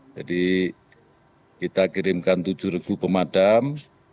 jadi kita kirimkan tujuh regu pemadam